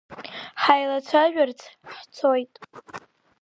Ҳаилацәажәарц ҳцоит.